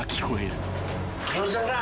吉田さん。